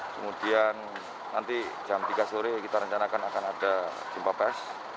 kemudian nanti jam tiga sore kita rencanakan akan ada jumpa pers